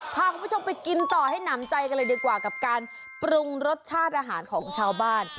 พาคุณผู้ชมไปกินต่อให้หนำใจกันเลยดีกว่ากับการปรุงรสชาติอาหารของชาวบ้าน